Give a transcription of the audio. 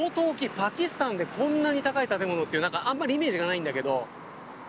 パキスタンでこんなに高い建物ってあんまりイメージがないんだけど。